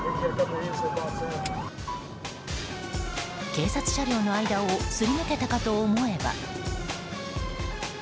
警察車両の間をすり抜けたかと思えば。